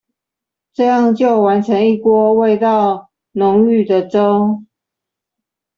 這樣就完成一鍋味道濃郁的粥